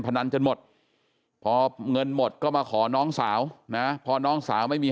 นันจนหมดพอเงินหมดก็มาขอน้องสาวนะพอน้องสาวไม่มี